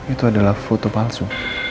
itu adalah foto palsu